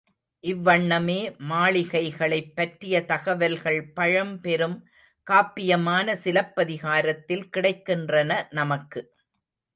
இவ்வண்ணமே மாளிகைகளைப் பற்றிய தகவல்கள் பழம் பெரும் காப்பியமான சிலப்பதிகாரத்தில் கிடைக்கின்றன நமக்கு.